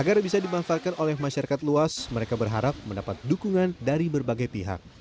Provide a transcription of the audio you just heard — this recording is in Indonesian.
agar bisa dimanfaatkan oleh masyarakat luas mereka berharap mendapat dukungan dari berbagai pihak